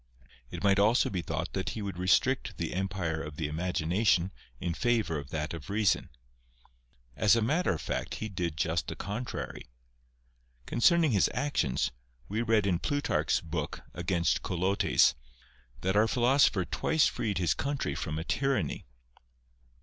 It might also be thought that he would restrict the empire of the imagination in favour of that of reason. As a matter of fact, he did just the contrary. Concerning his actions, we read in Plutarch's book against Colotes that our philosopher twice freed his country from a tyranny.